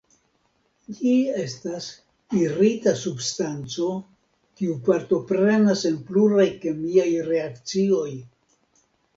Ĝi estas irita substanco kiu partoprenas en pluraj kemiaj reakcioj.